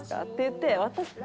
って言って。